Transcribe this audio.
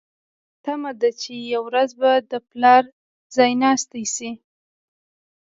تمه ده چې یوه ورځ به د پلار ځایناستې شي.